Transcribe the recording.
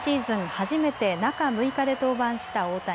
初めて中６日で登板した大谷。